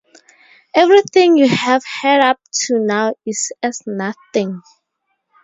Everything you have heard up to now is as nothing.